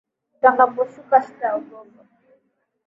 Utakaposhuka sitaogopa